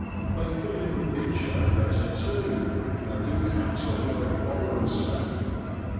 They fill in the picture better, too, than do cattle of a "foreign" stamp.